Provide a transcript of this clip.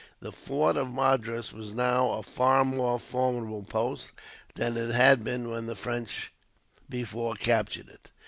The fort of Madras was now a far more formidable post than it had been when the French before captured it.